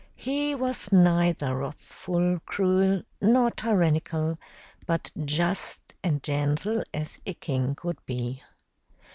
He was neither wrathful, cruel, nor tyrannical, but just and gentle as a king could be.